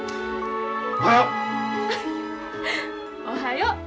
おはよう！